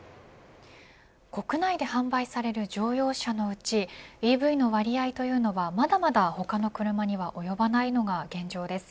国内で販売される乗用車のうちＥＶの割合はまだまだ他の車には及ばないのが現状です。